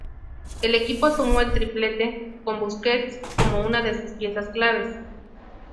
El equipo sumó el "triplete" con Busquets como una de sus piezas clave.